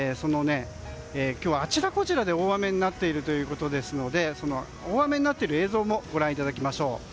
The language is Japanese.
今日、あちらこちらで大雨になっているということですので大雨になっている映像もご覧いただきましょう。